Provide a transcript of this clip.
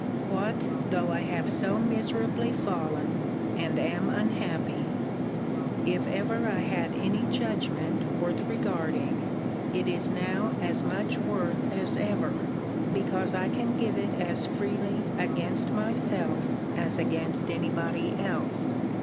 What though I have so miserably fallen, and am unhappy, if ever I had any judgment worth regarding, it is now as much worth as ever, because I can give it as freely against myself as against any body else.